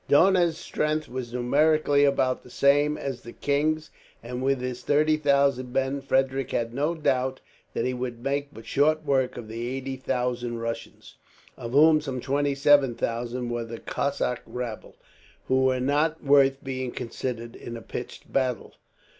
Dohna's strength was numerically about the same as the king's, and with his thirty thousand men Frederick had no doubt that he would make but short work of the eighty thousand Russians, of whom some twenty seven thousand were the Cossack rabble, who were not worth being considered, in a pitched battle.